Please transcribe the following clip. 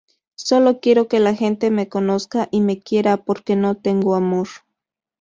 Solo quiero que la gente me conozca y me quiera, porque no tengo amor.